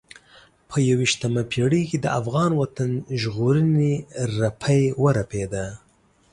په یوه یشتمه پېړۍ کې د افغان وطن ژغورنې رپی ورپېده.